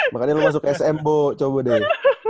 makanya lu masuk sm bo coba deh